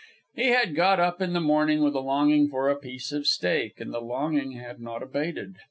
He had got up in the morning with a longing for a piece of steak, and the longing had not abated.